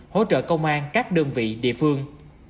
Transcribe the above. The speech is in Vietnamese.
hỗ trợ công an các đơn vị địa phương